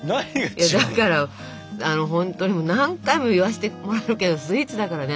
だからあのほんとに何回も言わしてもらうけどスイーツだからね。